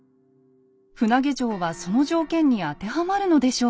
船上城はその条件に当てはまるのでしょうか？